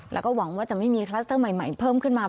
แล้วก็หวังว่าจะไม่มีคลัสเตอร์ใหม่เพิ่มขึ้นมา